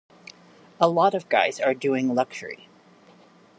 A lot of guys are doing luxury.